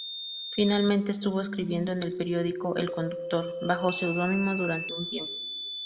Finalmente, estuvo escribiendo en el periódico "El Conductor" bajo seudónimo durante un tiempo.